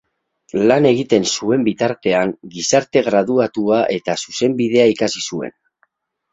Lan egiten zuen bitartean Gizarte-graduatua eta Zuzenbidea ikasi zuen.